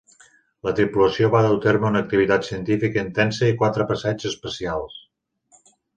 La tripulació va dur a terme una activitat científica intensa i quatre passeigs espacials.